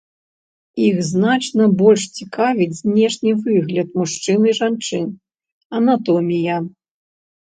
Іх значна больш цікавіць знешні выгляд мужчын і жанчын, анатомія.